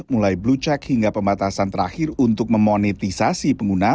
mulai blue check hingga pembatasan terakhir untuk memonetisasi pengguna